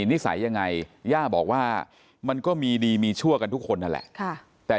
นิสัยยังไงย่าบอกว่ามันก็มีดีมีชั่วกันทุกคนนั่นแหละแต่